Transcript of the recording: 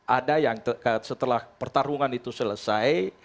ada yang setelah pertarungan itu selesai